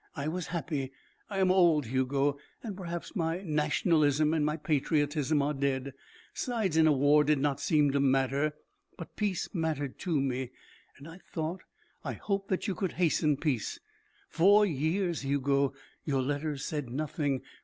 I was happy. I am old, Hugo, and perhaps my nationalism and my patriotism are dead. Sides in a war did not seem to matter. But peace mattered to me, and I thought I hoped that you could hasten peace. Four years, Hugo. Your letters said nothing.